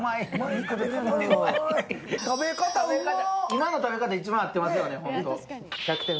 今の食べ方、一番合ってますよね。